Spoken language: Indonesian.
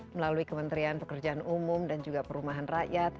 melalui kementerian pekerjaan umum dan juga perumahan rakyat